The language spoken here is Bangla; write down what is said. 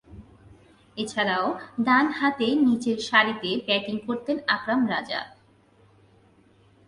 এছাড়াও, ডানহাতে নিচেরসারিতে ব্যাটিং করতেন আকরাম রাজা।